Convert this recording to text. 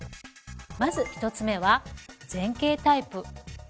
まず１つ目は前傾タイプ。